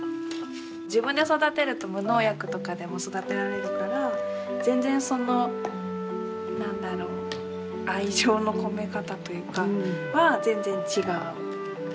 自分で育てると無農薬とかでも育てられるから全然その何だろう愛情の込め方というかは全然違う。